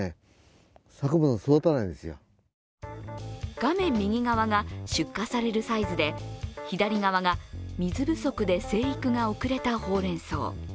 画面右側が出荷されるサイズで、左側が水不足で生育が遅れたほうれんそう。